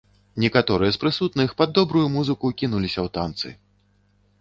Некаторыя з прысутных, пад добрую музыку, кінуліся ў танцы.